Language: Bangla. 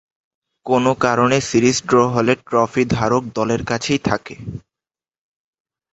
কোন কারণে সিরিজ ড্র হলে ট্রফি ধারক দলের কাছেই থাকে।